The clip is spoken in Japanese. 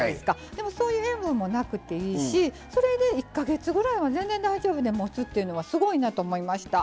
でもそういう塩分もなくていいしそれで１か月ぐらいは全然大丈夫でもつっていうのはすごいなと思いました。